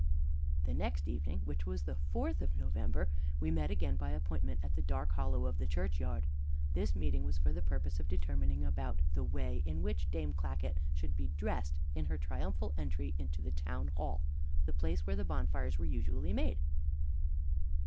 The next evening, which was the fourth of November, we met again by appointment at the dark hollow of the churchyard. This meeting was for the purpose of determining about the way in which Dame Clackett should be dressed in her triumphal entry to the Town Hall, the place where the bonfires were usually made.